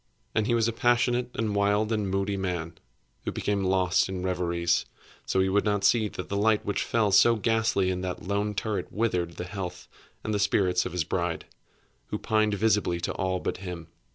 And he was a passionate, and wild, and moody man, who became lost in reveries; so that he would not see that the light which fell so ghastly in that lone turret withered the health and the spirits of his bride, who pined visibly to all but him.